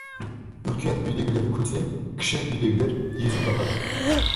Үлкен үйдегілер күлсе, кіші үйдегілер езу тартады.